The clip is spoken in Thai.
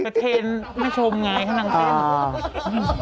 ประเทศน่าชมไงเค้าตั้งเต้น